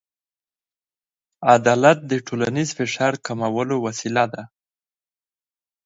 عدالت د ټولنیز فشار کمولو وسیله ده.